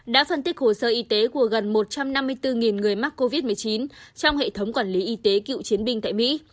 đã phân tích hồ sơ y tế của gần một trăm năm mươi bốn người mắc covid một mươi chín trong hệ thống quản lý y tế cựu chiến binh tại mỹ